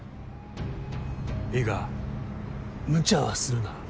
いいかむちゃはするな。